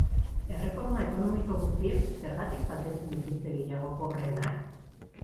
Erreforma ekonomiko guztiek zergatik kaltetzen dituzte gehiago pobreenak?